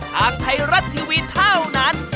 ทางไทยรัฐทีวีเท่านั้น